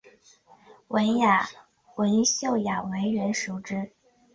文秀雅为人熟知。